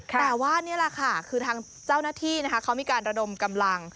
แต่ว่านี่แหละค่ะคือทางเจ้าหน้าที่นะคะเขามีการระดมกำลัง